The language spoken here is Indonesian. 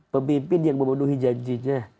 pemimpin yang memenuhi janjinya